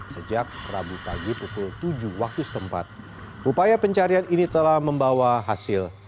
sejak rabu pagi pukul tujuh waktu setempat upaya pencarian ini telah membawa hasil